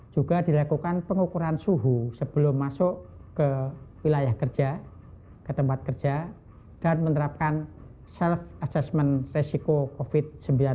juga dilakukan pengukuran suhu sebelum masuk ke wilayah kerja ke tempat kerja dan menerapkan self assessment resiko covid sembilan belas